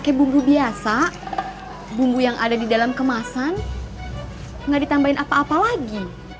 pakai bumbu biasa bumbu yang ada di dalam kemasan nggak ditambahin apa apa lagi